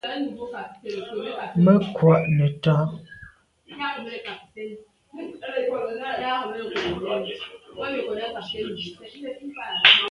Me kwa’ neta.